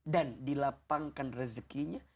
dan dilapangkan rezginya